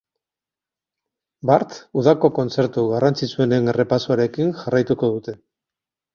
Bart udako kontzertu garrantzitsuenen errepasoarekin jarraituko dute.